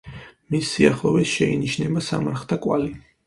მის სიახლოვეს შეინიშნება სამარხთა კვალი.